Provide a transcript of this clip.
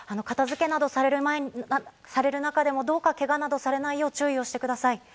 片付けなどされる中でもどうか、けがなどされないよう注意をしてください。